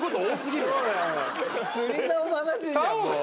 釣りざおの話じゃんもう。